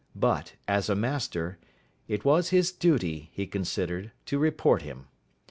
But, as a master, it was his duty, he considered, to report him.